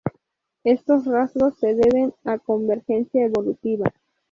Estos rasgos se deben a convergencia evolutiva.